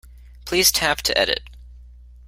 Please tap to edit.